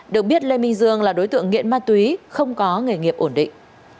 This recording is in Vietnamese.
được biết lê minh dương là đối tượng nghiện ma túy không có nghề nghiệp ổn định